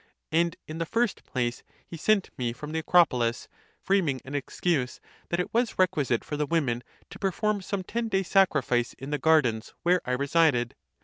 And in the first place he sent me from the Acropolis, framing an excuse, that it was requisite for the women to perform some ten day sacrifice in the gardens where I resided.